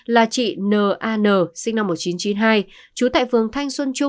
là chị n a n sinh năm một nghìn chín trăm chín mươi hai